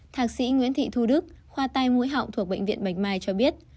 thạc sĩ nguyễn thị thu đức khoa tai mũi họng thuộc bệnh viện bạch mai cho biết